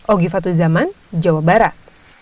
ogifatul zaman jawa barat